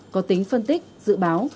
có tính phân tích dự báo